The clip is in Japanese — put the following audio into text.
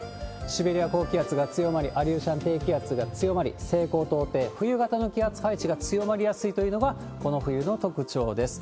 シベリア高気圧が強まり、アリューシャン低気圧が強まり、西高東低、冬型の気圧配置が強まりやすいというのが、この冬の特徴です。